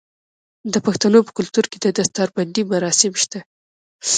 د پښتنو په کلتور کې د دستار بندی مراسم شته.